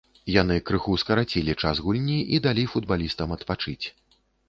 Яны крыху скарацілі час гульні і далі футбалістам адпачыць.